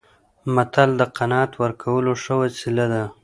متل د قناعت ورکولو ښه وسیله ده